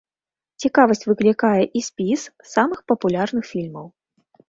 Цікавасць выклікае і спіс самых папулярных фільмаў.